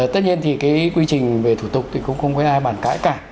tất nhiên thì quy trình về thủ tục cũng không có ai bàn cãi cả